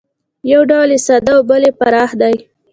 یو ډول یې ساده او بل یې پراخ دی